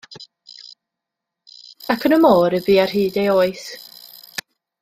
Ac yn y môr y bu ar hyd ei oes.